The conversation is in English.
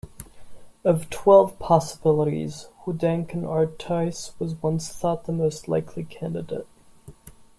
Of twelve possibilities, Houdenc in Artois was once thought the most likely candidate.